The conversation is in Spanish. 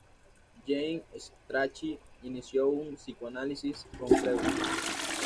James Strachey inició un psicoanálisis con Freud.